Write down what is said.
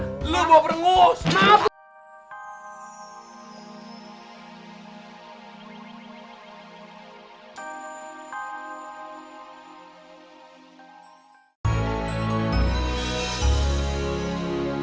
janganbahme males disseminasi nasional